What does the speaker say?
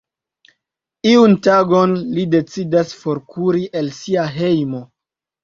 Iun tagon li decidas forkuri el sia hejmo.